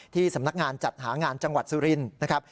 ที่สำนักงานจัดหางานจังหวัดสุรินทร์นะครับ